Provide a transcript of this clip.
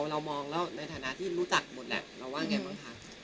เรามองแล้วในฐานะที่รู้จักหมดแหละเราว่าไงบ้างคะ